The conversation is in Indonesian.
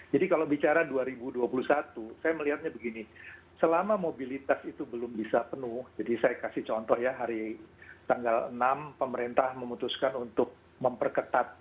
jadi kalau bicara dua ribu dua puluh satu saya melihatnya begini selama mobilitas itu belum bisa penuh jadi saya kasih contoh ya hari tanggal enam pemerintah memutuskan untuk memperketat